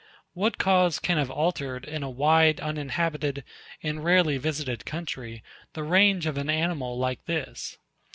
What cause can have altered, in a wide, uninhabited, and rarely visited country, the range of an animal like this?